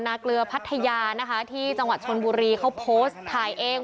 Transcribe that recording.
เกลือพัทยานะคะที่จังหวัดชนบุรีเขาโพสต์ถ่ายเอง